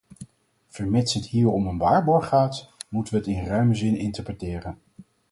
Vermits het hier om een waarborg gaat, moeten we het in ruime zin interpreteren.